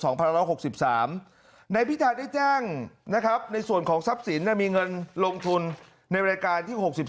พิธาได้แจ้งนะครับในส่วนของทรัพย์สินมีเงินลงทุนในรายการที่๖๒